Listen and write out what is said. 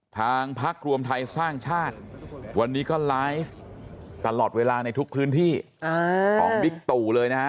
ทางพักรวมไทยสร้างชาติวันนี้ก็ไลฟ์ตลอดเวลาในทุกพื้นที่ของบิ๊กตู่เลยนะฮะ